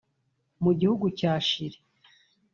Mu gihugu cya Chili